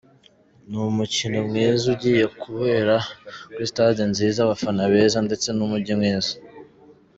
Ni umukino mwiza ugiye kubera kuri stade nziza, abafana beza, ndetse n’umugi mwiza.